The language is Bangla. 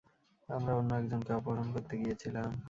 আমরা অন্য একজনকে অপহরণ করতে গিয়েছিলাম।